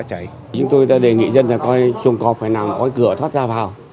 chúng tôi đã đề nghị dân phải coi trùng cọp phải làm coi cửa thoát ra vào